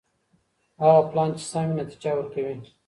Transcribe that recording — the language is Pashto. هغه پلان چي سم وي نتيجه ورکوي.